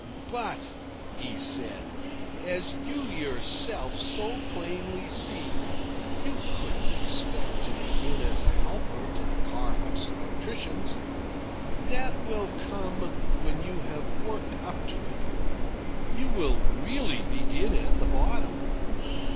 "But," he said, "as you yourself so plainly see, you couldn't expect to begin as a helper to the car house electricians. That will come when you have worked up to it. You will really begin at the bottom.